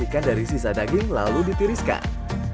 ikan dari sisa daging lalu ditiriskan